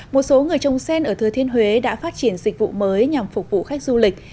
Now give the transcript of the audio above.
một số người trồng sen ở thừa thiên huế đã phát triển dịch vụ mới nhằm phục vụ khách du lịch